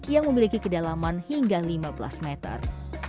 yang memiliki kedalaman hingga lima belas meter